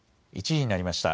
１時になりました。